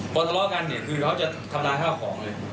พอทะเลาะกันเขาจะทำร้ายห้าของเลย